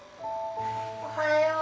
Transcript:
おはよう。